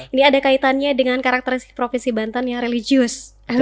ini ada kaitannya dengan karakteristik provinsi banten yang religius